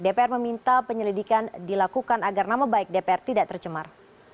dpr meminta penyelidikan dilakukan agar nama baik dpr tidak tercemar